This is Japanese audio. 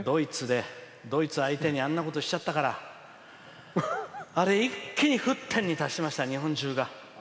ドイツ相手にあんなことしちゃったからあれ、一気に沸点に達しました日本中が。